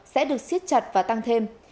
sẽ được xiết chặt và tăng thêm